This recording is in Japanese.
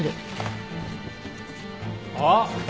あっ！